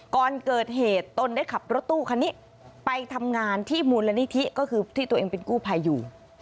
ก่อนเกิดเหตุตนได้ขับรถตู้คันนี้ไปทำงานที่มูลนิธิก็คือที่ตัวเองเป็นกู้ภัยอยู่